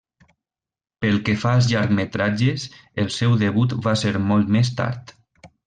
Pel que fa als llargmetratges, el seu debut va ser molt més tard.